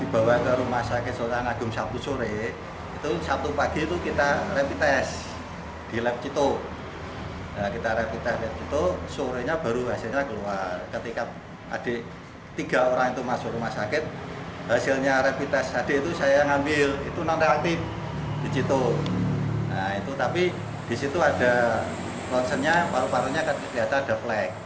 pada lonsennya paru parunya akan dilihat ada flek